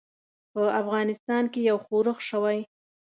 په افغانستان کې یو ښورښ شوی.